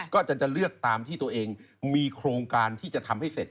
อาจารย์จะเลือกตามที่ตัวเองมีโครงการที่จะทำให้เสร็จ